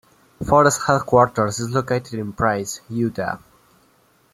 Forest headquarters is located in Price, Utah.